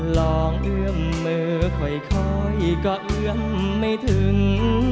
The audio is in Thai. เอื้อมมือค่อยก็เอื้อมไม่ถึง